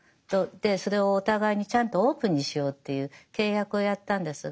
それをお互いにちゃんとオープンにしようという契約をやったんですが。